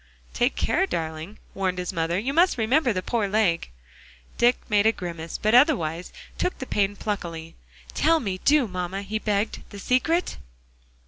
"Take care, darling," warned his mother. "You must remember the poor leg." Dick made a grimace, but otherwise took the pain pluckily. "Tell me, do, mamma," he begged, "the secret."